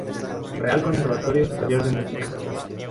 Real Conservatorio Superior de Música.